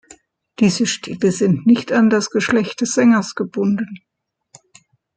Diese Stile sind nicht an das Geschlecht des Sängers gebunden.